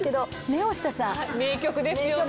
名曲ですよね！